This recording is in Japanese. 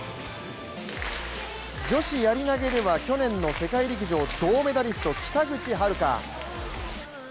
女子やり投では去年の世界陸上銅メダリスト、北口榛花。